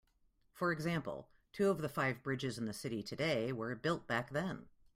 For example, two of the five bridges in the city today were built back then.